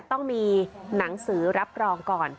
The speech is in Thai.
ต้องมีหนังสือรับรองก่อน